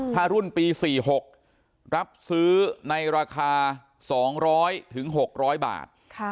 ถ้ารุ่นปี๔๖รับซื้อในราคา๒๐๐๖๐๐บาท